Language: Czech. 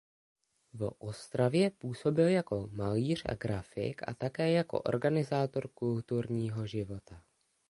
V Ostravě působil jako malíř a grafik a také jako organizátor kulturního života.